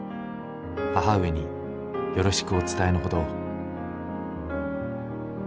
母上によろしくお伝えの程を」。